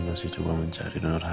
masih mencoba mencari donor hatiku